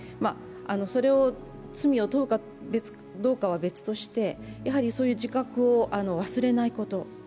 その罪を問うかどうかは別としてやはりそういう自覚を忘れないこと。